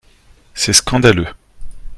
C’est scandaleux